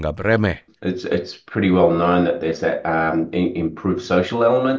tapi mereka masih datang